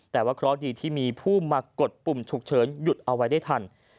แต่ว่าเคราะห์ดีที่มีผู้มากดปุ่มฉุกเฉินหยุดเอาไว้ได้ทัน